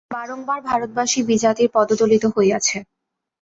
বারংবার ভারতবাসী বিজাতির পদদলিত হইয়াছে।